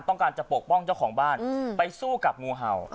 ต้องการจะปกป้องเจ้าของบ้านไปสู้กับงูเห่า